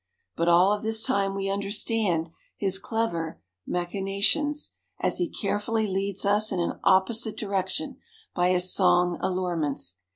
But all of this time we understand his clever machinations, as he carefully leads us in an opposite direction by his song allurements.